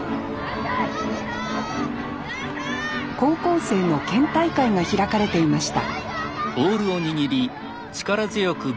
高校生の県大会が開かれていました